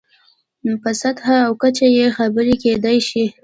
په سطحه او کچه یې خبرې کېدای شي.